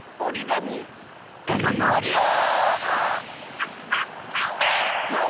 あっあはいはい！